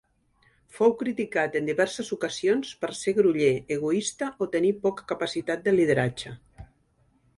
Fou criticat en diverses ocasions per ser groller, egoista o tenir poca capacitat de lideratge.